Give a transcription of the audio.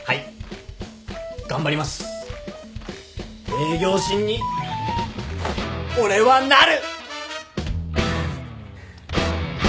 営業神に俺はなる！